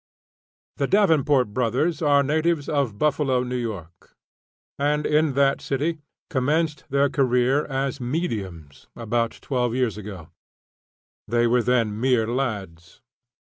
The Davenport Brothers are natives of Buffalo, N. Y., and in that city commenced their career as "mediums" about twelve years ago. They were then mere lads.